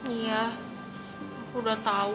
iya udah tau kok